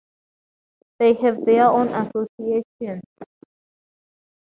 They have their own association.